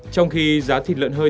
trong khi giá thịt lợn hơi